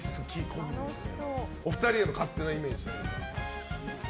お二人への勝手なイメージは？